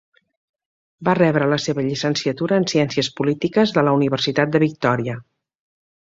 Va rebre la seva llicenciatura en ciències polítiques de la Universitat de Victòria.